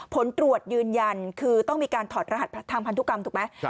ผลตรวจยืนยันคือต้องมีการถอดรหัสทางพันธุกรรมถูกไหม